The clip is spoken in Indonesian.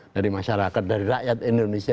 dari masyarakat dari rakyat indonesia